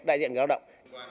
đại diện người lao động